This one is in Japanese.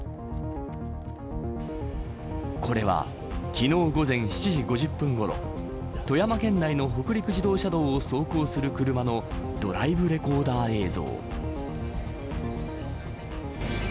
これは昨日午前７時５０分ごろ富山県内の北陸自動車道を走行する車のドライブレコーダー映像。